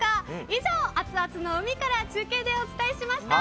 以上、アツアツの海から中継でお伝えしました。